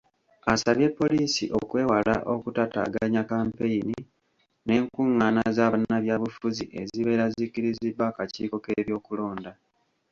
Asabye poliisi okwewala okutataaganya kkampeyini n’enkung’aana za bannabyabufuzi ezibeera zikkiriziddwa akakiiko k’ebyokulonda.